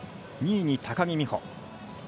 ２位に高木美帆。